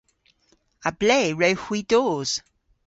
A ble wrewgh hwi dos?